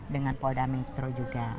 dengan polda metro juga